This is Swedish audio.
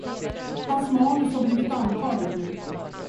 Hans manus har blivit antaget nu.